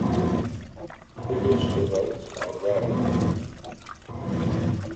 Figures for votes are rounded.